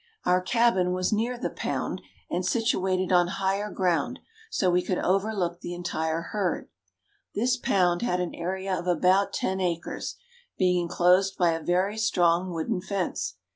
Our cabin was near the "pound" and situated on higher ground, so we could overlook the entire herd. This "pound" had an area of about ten acres, being enclosed by a very strong wooden fence.